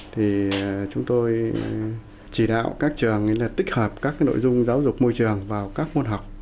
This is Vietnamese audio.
thì chúng tôi chỉ đạo các trường tích hợp các nội dung giáo dục môi trường vào các môn học